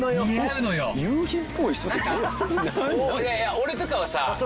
俺とかはさ